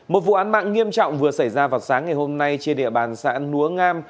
một vụ án mạng nghiêm trọng vừa xảy ra vào sáng ngày hôm nay trên địa bàn xã núa ngam